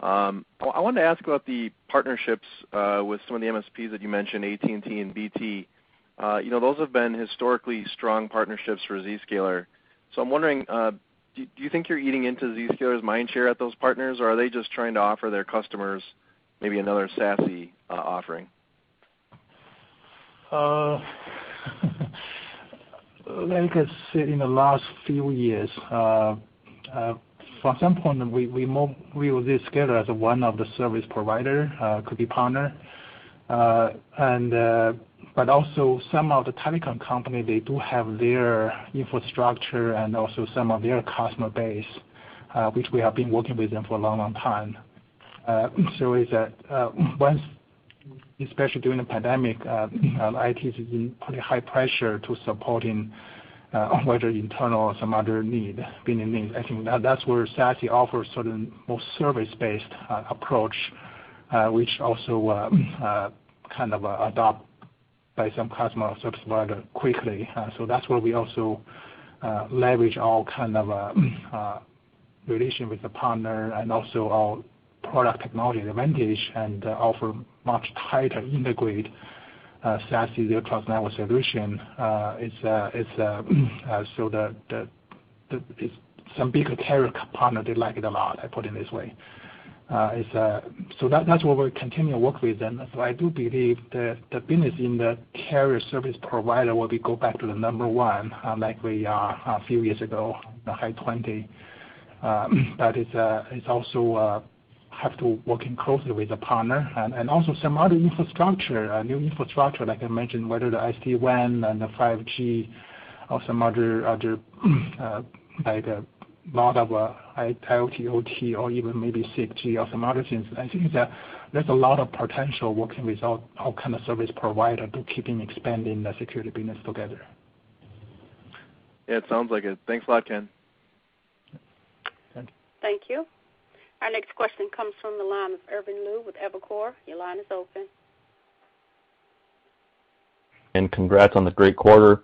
I wanted to ask about the partnerships with some of the MSPs that you mentioned, AT&T and BT. Those have been historically strong partnerships for Zscaler. I'm wondering, do you think you're eating into Zscaler's mind share at those partners, or are they just trying to offer their customers maybe another SASE offering? Like I said, in the last few years, for some point, we view Zscaler as one of the service provider, could be partner. Also some of the telecom company, they do have their infrastructure and also some of their customer base, which we have been working with them for a long, long time. Is that, once, especially during the pandemic, IT has been putting high pressure to supporting whether internal or some other need, been in need. I think that's where SASE offers sort of more service-based approach, which also kind of adopt by some customer service provider quickly. That's where we also leverage all kind of our relation with the partner and also our product technology advantage and offer much tighter integrated SASE Zero Trust Network solution. Some bigger carrier partner, they like it a lot, I put it this way. That's where we continue to work with them. I do believe the business in the carrier service provider will be go back to the number one, like we are a few years ago, the high 20. It's also have to working closely with the partner and also some other infrastructure, new infrastructure, like I mentioned, whether the SD-WAN and the 5G or some other, like a lot of IoT, OT or some other things. I think that there's a lot of potential working with our kind of service provider to keeping expanding the security business together. Yeah, it sounds like it. Thanks a lot, Ken. Thank you. Thank you. Our next question comes from the line of Irvin Liu with Evercore. Congrats on the great quarter.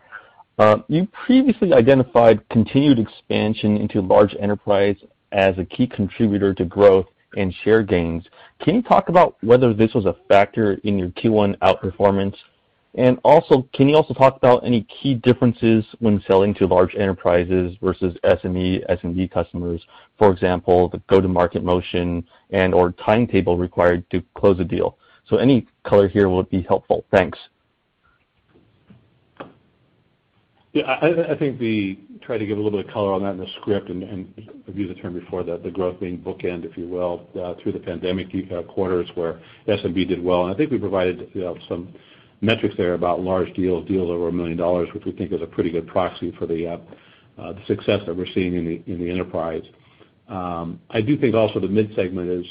You previously identified continued expansion into large enterprise as a key contributor to growth and share gains. Can you talk about whether this was a factor in your Q1 outperformance? Also, can you also talk about any key differences when selling to large enterprises versus SME customers? For example, the go-to-market motion and/or timetable required to close a deal. Any color here would be helpful. Thanks. I think we tried to give a little bit of color on that in the script, and I've used the term before, the growth being bookend, if you will, through the pandemic. You've had quarters where SMB did well, and I think we provided some metrics there about large deals over $1 million, which we think is a pretty good proxy for the success that we're seeing in the enterprise. I do think also the mid-segment is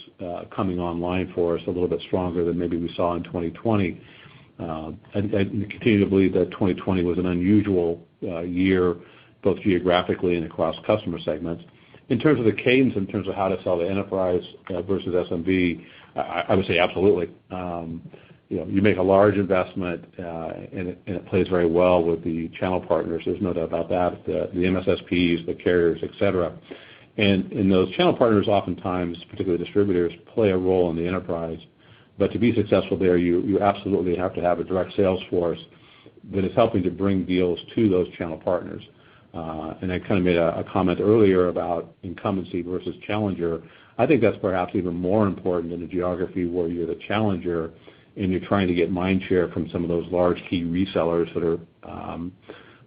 coming online for us a little bit stronger than maybe we saw in 2020. I continue to believe that 2020 was an unusual year, both geographically and across customer segments. In terms of the cadence, in terms of how to sell to enterprise versus SMB, I would say absolutely. You make a large investment, it plays very well with the channel partners, there's no doubt about that, the MSSPs, the carriers, et cetera. Those channel partners oftentimes, particularly distributors, play a role in the enterprise. To be successful there, you absolutely have to have a direct sales force that is helping to bring deals to those channel partners. I kind of made a comment earlier about incumbency versus challenger. I think that's perhaps even more important in a geography where you're the challenger and you're trying to get mind share from some of those large key resellers that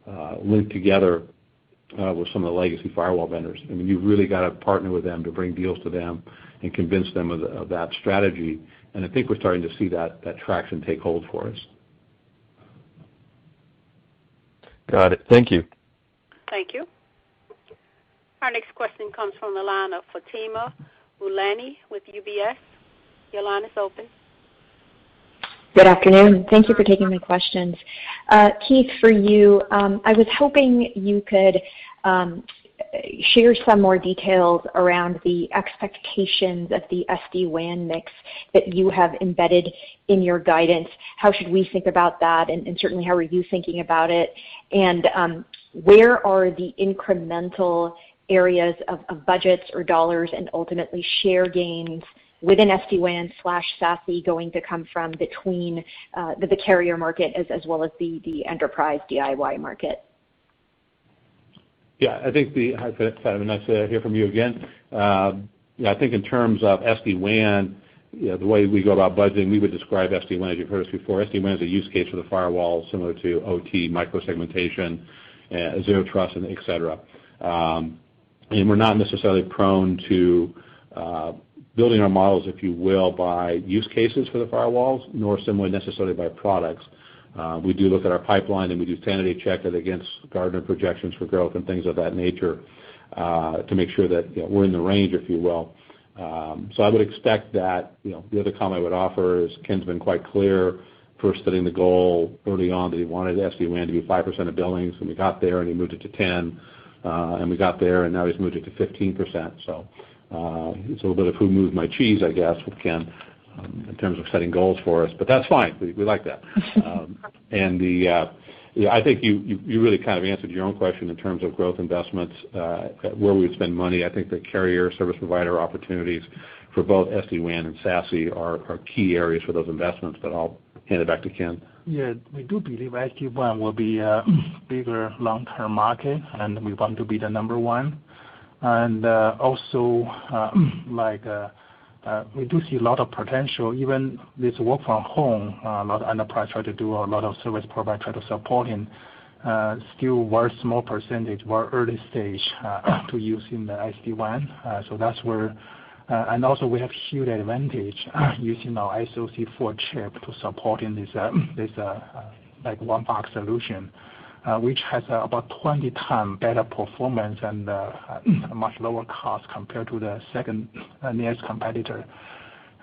are linked together with some of the legacy firewall vendors. You've really got to partner with them to bring deals to them and convince them of that strategy. I think we're starting to see that traction take hold for us. Got it. Thank you. Thank you. Our next question comes from the line of Fatima Boolani with UBS. Your line is open. Good afternoon. Thank you for taking my questions. Keith, for you, I was hoping you could share some more details around the expectations of the SD-WAN mix that you have embedded in your guidance. How should we think about that, certainly, how are you thinking about it? Where are the incremental areas of budgets or dollars and ultimately share gains within SD-WAN/SASE going to come from between the carrier market as well as the enterprise DIY market? Yeah, hi, Fatima, nice to hear from you again. I think in terms of SD-WAN, the way we go about budgeting, we would describe SD-WAN as you've heard us before. SD-WAN is a use case for the firewall similar to OT micro-segmentation, Zero Trust, and et cetera. We're not necessarily prone to building our models, if you will, by use cases for the firewalls, nor similarly necessarily by products. We do look at our pipeline, and we do sanity check it against Gartner projections for growth and things of that nature, to make sure that we're in the range, if you will. I would expect that the other comment I would offer is Ken's been quite clear, first setting the goal early on that he wanted SD-WAN to be 5% of billings, and we got there, and he moved it to 10%, and we got there, and now he's moved it to 15%. It's a little bit of who moved my cheese, I guess, with Ken in terms of setting goals for us, but that's fine. We like that. I think you really kind of answered your own question in terms of growth investments, where we would spend money. I think the carrier service provider opportunities for both SD-WAN and SASE are key areas for those investments, but I'll hand it back to Ken. Yeah, we do believe SD-WAN will be a bigger long-term market, and we want to be the number one. We do see a lot of potential, even with work from home, a lot of enterprise try to do, a lot of service provider try to support and still very small percentage, very early stage to use in the SD-WAN. We have huge advantage using our SoC4 chip to support in this one box solution, which has about 20x better performance and a much lower cost compared to the second nearest competitor.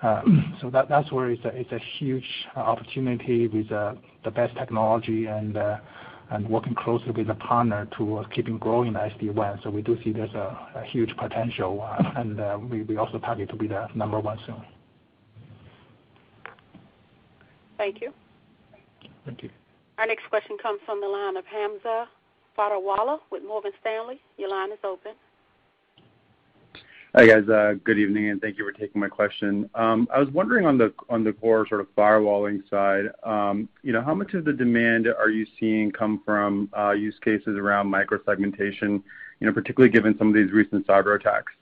That's where it's a huge opportunity with the best technology and working closely with the partner to keeping growing the SD-WAN. We do see there's a huge potential, and we also target to be the number one soon. Thank you. Thank you. Our next question comes from the line of Hamza Fodderwala with Morgan Stanley. Your line is open. Hi, guys. Good evening, and thank you for taking my question. I was wondering on the core sort of firewalling side, how much of the demand are you seeing come from use cases around micro-segmentation, particularly given some of these recent cyber attacks?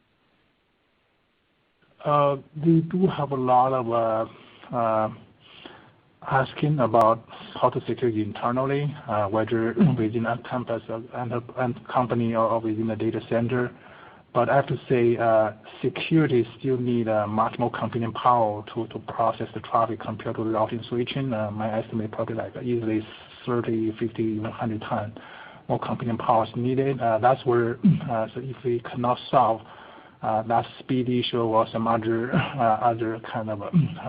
We do have a lot of asking about how to secure internally, whether within a campus of end company or within a data center. I have to say, security still needs much more computing power to process the traffic compared to the routing switching. My estimate probably like easily 30, 50, even 100 times more computing power is needed. That's where, if we cannot solve that speed issue or some other kind of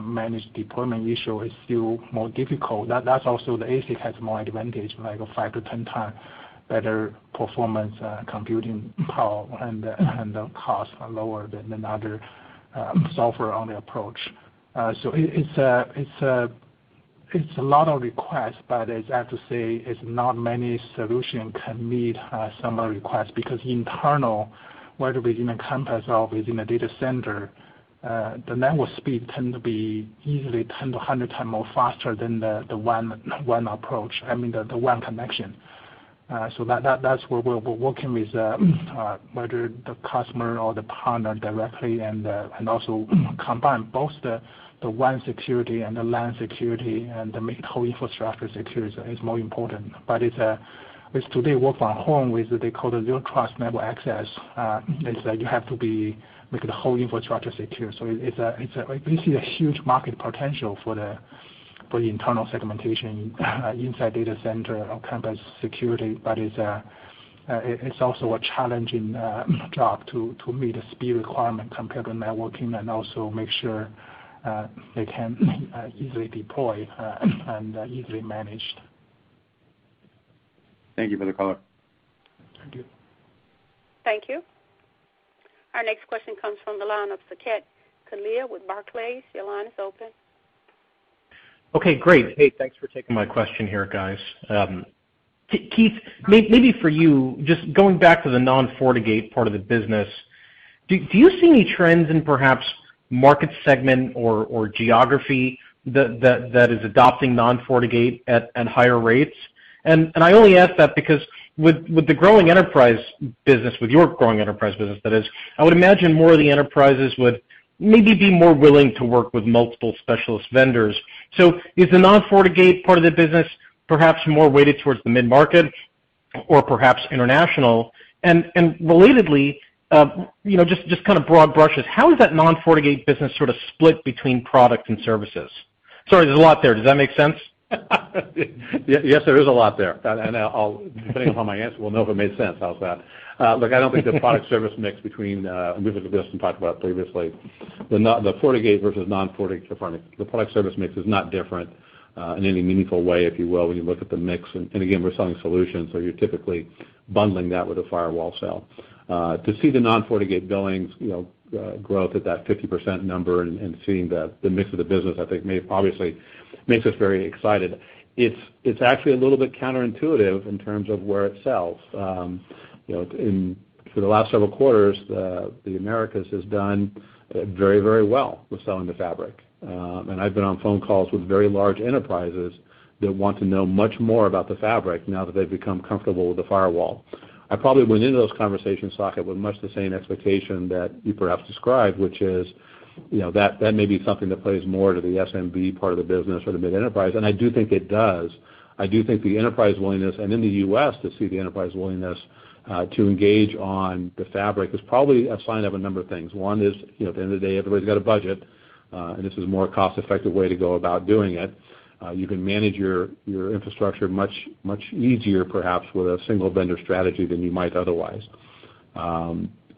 managed deployment issue, it's still more difficult. That's also the ASIC has more advantage, like 5-10 times better performance, computing power, and the costs are lower than other software-only approach. It's a lot of requests, but I have to say, it's not many solution can meet some requests because internal, whether within a campus or within a data center, the network speed tend to be easily 10-100 times more faster than the WAN approach, I mean, the WAN connection. That's where we're working with whether the customer or the partner directly and also combine both the WAN security and the LAN security and the main whole infrastructure security is more important. It's today work from home with they call the Zero Trust Network Access, is that you have to make the whole infrastructure secure. We see a huge market potential for the internal segmentation inside data center or campus security, but it's also a challenging job to meet the speed requirement compared to networking and also make sure they can easily deploy and easily managed. Thank you for the color. Thank you. Thank you. Our next question comes from the line of Saket Kalia with Barclays. Your line is open. Okay, great. Hey, thanks for taking my question here, guys. Keith, maybe for you, just going back to the non-FortiGate part of the business, do you see any trends in perhaps market segment or geography that is adopting non-FortiGate at higher rates? I only ask that because with your growing enterprise business that is, I would imagine more of the enterprises would maybe be more willing to work with multiple specialist vendors. Is the non-FortiGate part of the business perhaps more weighted towards the mid-market or perhaps international? Relatedly, just kind of broad brushes, how is that non-FortiGate business sort of split between product and services? Sorry, there's a lot there. Does that make sense? Yes, there is a lot there. Depending upon my answer, we'll know if it made sense. How's that? Look, I don't think the product service mix between, and we've discussed and talked about previously, the FortiGate versus non-FortiGate, the product service mix is not different in any meaningful way, if you will, when you look at the mix. Again, we're selling solutions, so you're typically bundling that with a firewall sale. To see the non-FortiGate billings growth at that 50% number and seeing the mix of the business, I think obviously makes us very excited. It's actually a little bit counterintuitive in terms of where it sells. For the last several quarters, the Americas has done very well with selling the fabric. I've been on phone calls with very large enterprises that want to know much more about the Fabric now that they've become comfortable with the firewall. I probably went into those conversations, Saket, with much the same expectation that you perhaps described, which is that may be something that plays more to the SMB part of the business or the mid-enterprise, and I do think it does. I do think the enterprise willingness, and in the U.S., to see the enterprise willingness to engage on the Fabric is probably a sign of a number of things. One is, at the end of the day, everybody's got a budget, and this is a more cost-effective way to go about doing it. You can manage your infrastructure much easier, perhaps, with a single-vendor strategy than you might otherwise.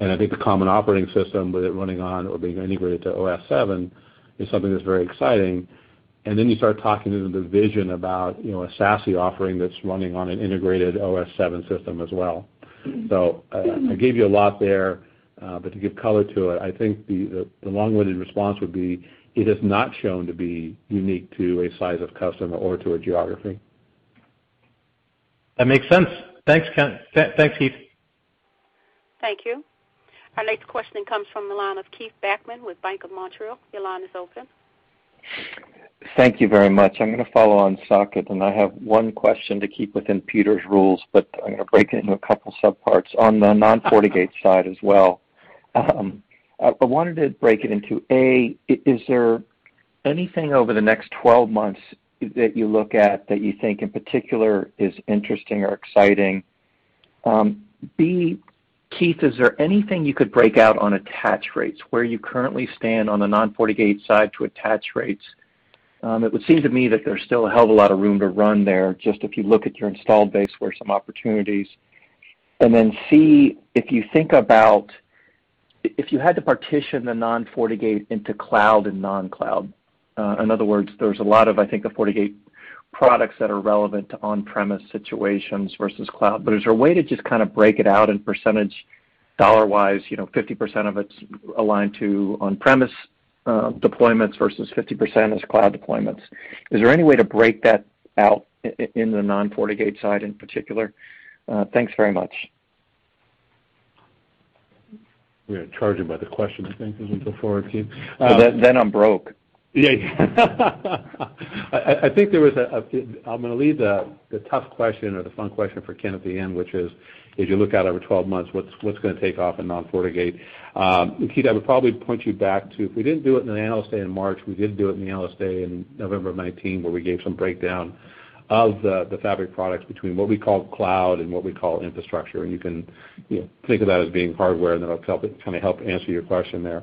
I think the common operating system, with it running on or being integrated to OS7, is something that's very exciting. Then you start talking into the vision about a SASE offering that's running on an integrated OS7 system as well. I gave you a lot there. To give color to it, I think the long-winded response would be, it has not shown to be unique to a size of customer or to a geography. That makes sense. Thanks, Keith. Thank you. Our next questioning comes from the line of Keith Bachman with Bank of Montreal. Your line is open. Thank you very much. I'm going to follow on Saket. I have one question to keep within Peter's rules, but I'm going to break it into a couple sub-parts on the non-FortiGate side as well. I wanted to break it into A, is there anything over the next 12 months that you look at that you think in particular is interesting or exciting? B, Keith, is there anything you could break out on attach rates, where you currently stand on the non-FortiGate side to attach rates? It would seem to me that there's still a hell of a lot of room to run there, just if you look at your installed base, where some opportunities. C, if you had to partition the non-FortiGate into cloud and non-cloud, in other words, there's a lot of, I think, the FortiGate products that are relevant to on-premise situations versus cloud. Is there a way to just break it out in percentage, dollar-wise, 50% of it's aligned to on-premise deployments versus 50% is cloud deployments? Is there any way to break that out in the non-FortiGate side in particular? Thanks very much. We're going to charge him by the question, I think, as we go forward, Keith. I'm broke. Yeah. I'm going to leave the tough question or the fun question for Ken at the end, which is, as you look out over 12 months, what's going to take off in non-FortiGate? Keith, I would probably point you back to, if we didn't do it in the analyst day in March, we did do it in the analyst day in November of 2019, where we gave some breakdown of the Fabric products between what we call cloud and what we call infrastructure. You can think of that as being hardware, and that'll kind of help answer your question there.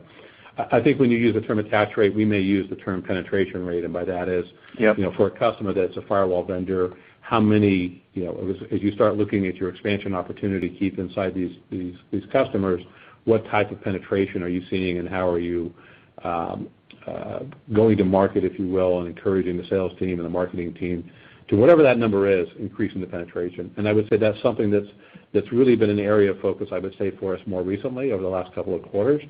I think when you use the term attach rate, we may use the term penetration rate, and by that is. Yep for a customer that's a firewall vendor, as you start looking at your expansion opportunity, Keith, inside these customers, what type of penetration are you seeing, and how are you going to market, if you will, on encouraging the sales team and the marketing team to, whatever that number is, increasing the penetration? I would say that's something that's really been an area of focus, I would say, for us more recently over the last couple of quarters.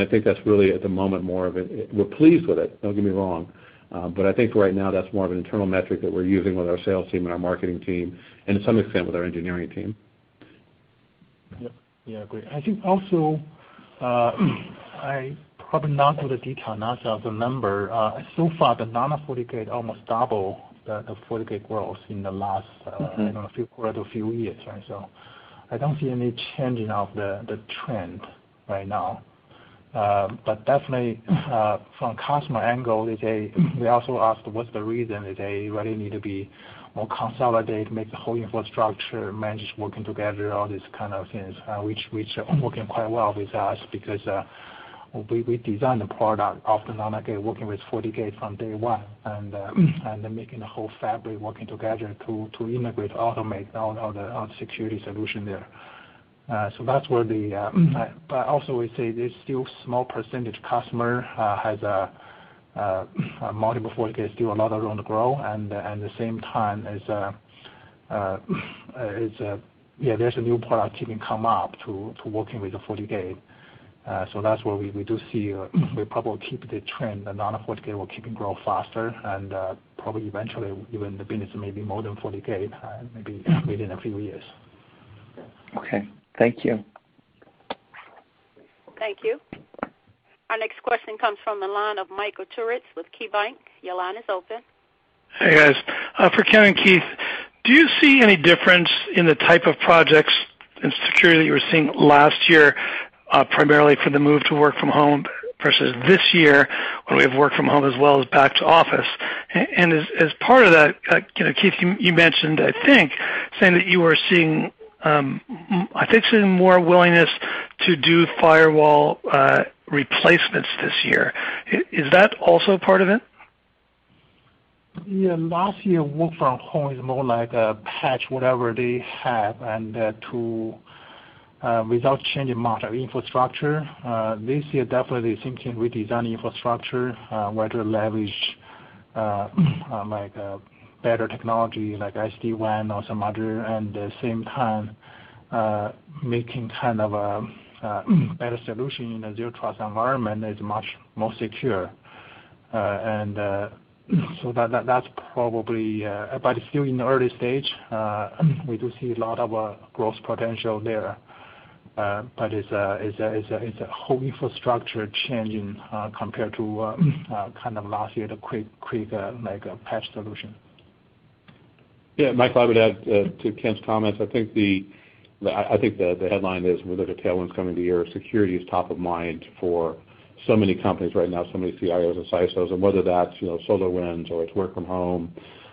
I think that's really at the moment more of a, we're pleased with it, don't get me wrong. I think right now that's more of an internal metric that we're using with our sales team and our marketing team, and to some extent with our engineering team. Yep. Yeah, agree. I think also, I probably not go to detail myself, the number. So far, the non-FortiGate almost double the FortiGate growth in the last- few quarter, few years. I don't see any changing of the trend right now. Definitely, from customer angle, they also asked what's the reason that they really need to be more consolidate, make the whole infrastructure managed working together, all these kind of things, which are working quite well with us because, we designed the product of the non-FortiGate working with FortiGate from day one, and then making the whole fabric working together to integrate, automate all the security solution there. Also we say there's still small percentage customer has multiple FortiGate, still a lot of room to grow, and the same time as there's a new product even come up to working with the FortiGate. That's where we do see, we probably keep the trend that non-FortiGate will keep on grow faster and probably eventually even the business may be more than FortiGate, maybe within a few years. Okay. Thank you. Thank you. Our next question comes from the line of Michael Turits with KeyBanc. Your line is open. Hey, guys. For Ken and Keith, do you see any difference in the type of projects and security that you were seeing last year, primarily for the move to work from home versus this year where we have work from home as well as back to office? As part of that, Ken and Keith, you mentioned, I think, saying that you are seeing more willingness to do firewall replacements this year. Is that also a part of it? Yeah. Last year, work from home is more like a patch whatever they have and without changing much of infrastructure. This year, definitely thinking redesigning infrastructure, where to leverage like a better technology like SD-WAN or some other, and the same time, making kind of a better solution in a Zero Trust environment that is much more secure. It's still in early stage. We do see a lot of growth potential there. It's a whole infrastructure changing, compared to last year, the quick patch solution. Yeah, Mike, I would add to Ken's comments. I think the headline is, with the tailwinds coming to here, security is top of mind for so many companies right now, so many CIOs and CISOs, and whether that's SolarWinds or it's work from home,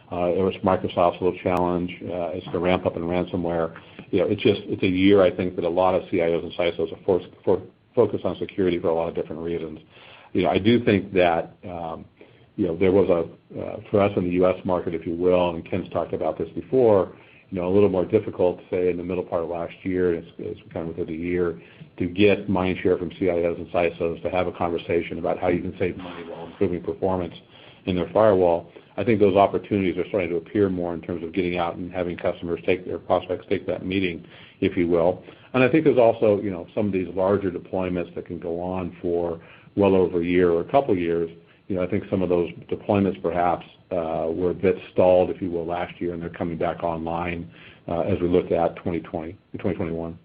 or it's Microsoft's little challenge, it's the ramp up in ransomware. It's a year, I think, that a lot of CIOs and CISOs are focused on security for a lot of different reasons. I do think that, for us in the U.S. market, if you will, and Ken's talked about this before, a little more difficult, say, in the middle part of last year, and it's kind of within the year, to get mind share from CIOs and CISOs to have a conversation about how you can save money while improving performance in their firewall. I think those opportunities are starting to appear more in terms of getting out and having customers take their prospects, take that meeting, if you will. I think there's also some of these larger deployments that can go on for well over a year or a couple of years. I think some of those deployments perhaps were a bit stalled, if you will, last year, and they're coming back online as we look to that 2021.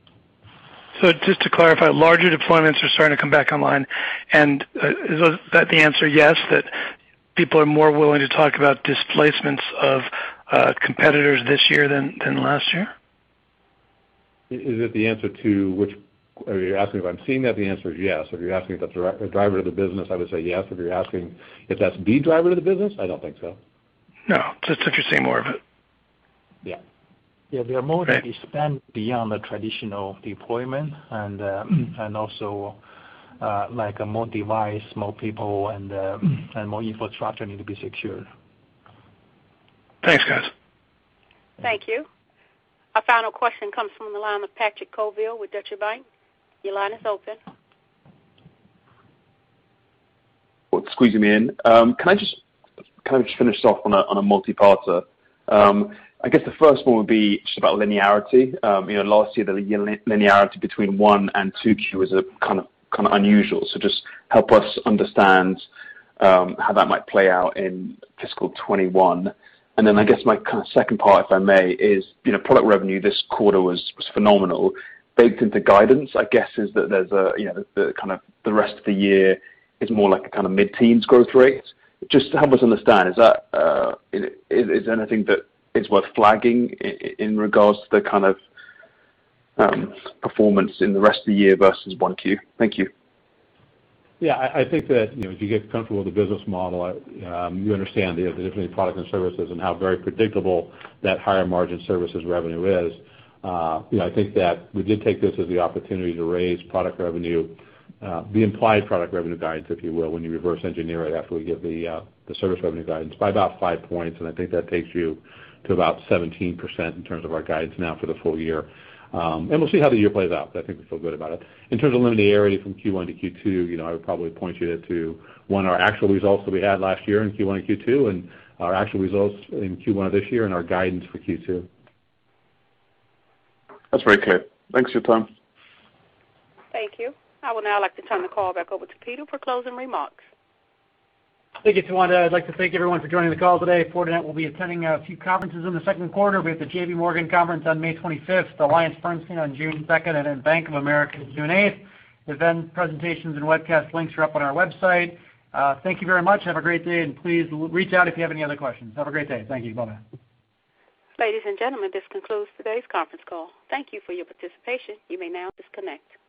Just to clarify, larger deployments are starting to come back online, and is that the answer, yes, that people are more willing to talk about displacements of competitors this year than last year? Are you asking if I'm seeing that? The answer is yes. If you're asking if that's a driver to the business, I would say yes. If you're asking if that's the driver to the business, I don't think so. No, just if you're seeing more of it. Yeah. Yeah, they are. Okay to be spent beyond the traditional deployment and also, like more device, more people, and more infrastructure need to be secured. Thanks, guys. Thank you. Our final question comes from the line of Patrick Colville with Deutsche Bank. Your line is open. Squeezing me in. Can I just finish off on a multi-parter? I guess the first one would be just about linearity. Last year, the linearity between one and 2Q was kind of unusual. Just help us understand how that might play out in fiscal 2021. I guess my kind of second part, if I may, is product revenue this quarter was phenomenal. Baked into guidance, I guess, is that there's a kind of the rest of the year is more like a mid-teens growth rate. Just help us understand, is there anything that is worth flagging in regards to the kind of performance in the rest of the year versus 1Q? Thank you. Yeah, I think that as you get comfortable with the business model, you understand the difference between product and services and how very predictable that higher margin services revenue is. I think that we did take this as the opportunity to raise product revenue, the implied product revenue guidance, if you will, when you reverse engineer it after we give the service revenue guidance by about five points, and I think that takes you to about 17% in terms of our guidance now for the full year. We'll see how the year plays out. I think we feel good about it. In terms of linearity from Q1 to Q2, I would probably point you to, one, our actual results that we had last year in Q1 and Q2, and our actual results in Q1 of this year and our guidance for Q2. That's very clear. Thanks for your time. Thank you. I would now like to turn the call back over to Peter for closing remarks. Thank you, Tawanda. I'd like to thank everyone for joining the call today. Fortinet will be attending a few conferences in the second quarter. We have the JPMorgan conference on May 25th, AllianceBernstein on June 2nd, and then Bank of America on June 8th. Event presentations and webcast links are up on our website. Thank you very much. Have a great day, and please reach out if you have any other questions. Have a great day. Thank you. Bye-bye. Ladies and gentlemen, this concludes today's conference call. Thank you for your participation. You may now disconnect.